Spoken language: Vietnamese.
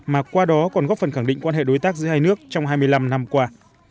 mà qua đó còn góp phần khẳng định quan hệ đối tác giữa hai nước trong hai mươi năm năm qua